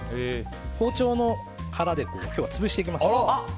包丁の腹で今日は潰していきます。